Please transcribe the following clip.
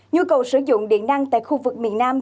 nhu cầu sử dụng điện năng tại khu vực miền nam